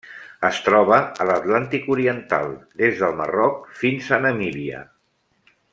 Es troba a l'Atlàntic oriental: des del Marroc fins a Namíbia.